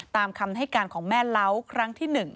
ตามคำให้การของแม่เล้าครั้งที่๑